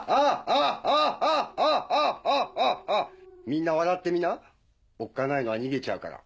みんな笑ってみなおっかないのは逃げちゃうから。